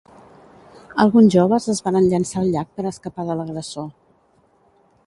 Alguns joves es varen llançar al llac per escapar de l'agressor.